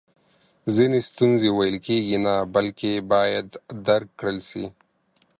ځینې ستونزی ویل کیږي نه بلکې باید درک کړل سي!